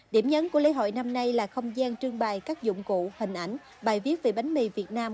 điểm nhấn của lễ hội năm nay là không gian trưng bày các dụng cụ hình ảnh bài viết về bánh mì việt nam